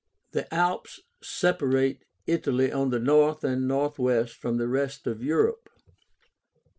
The Alps separate Italy on the north and northwest from the rest of Europe.